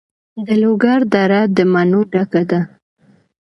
د لوګر دره د مڼو ډکه ده.